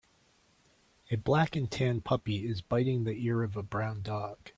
A black and tan puppy is biting the ear of a brown dog.